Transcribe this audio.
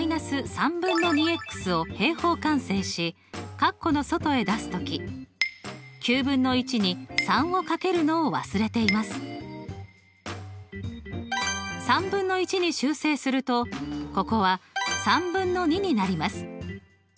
カッコの外へ出す時に３を掛けるのを忘れています。に修正するとここはになります。